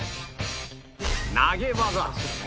投げ技